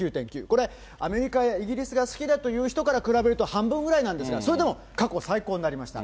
これ、アメリカやイギリスが好きだという人から比べると半分ぐらいなんですが、それでも過去最高になりました。